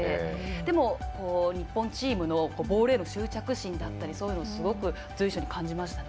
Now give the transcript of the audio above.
でも、日本チームのボールへの執着心だったりそういうのがすごく随所に感じましたね。